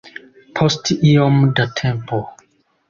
Post iom da tempo.